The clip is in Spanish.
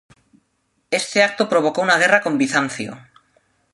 Este acto provocó una guerra con Bizancio.